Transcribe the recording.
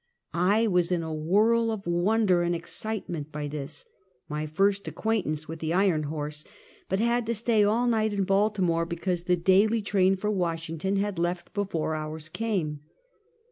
I was in a whirl of wonder and excitement by this, my first acquaintance with the iron horse, but had to stay all night in Baltimore because the daily train for Washington had left before ours came.